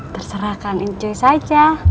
terserah kang uncuy saja